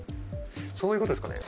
そういうことですかね？